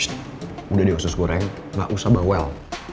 sht udah diusus goreng gak usah bawa well